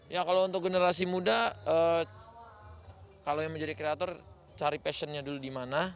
ya kalau untuk generasi muda kalau yang menjadi kreator cari passionnya dulu di mana